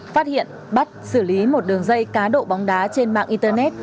phát hiện bắt xử lý một đường dây cá độ bóng đá trên mạng internet